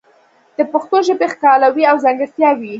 د پښتو ژبې ښکلاوې او ځانګړتیاوې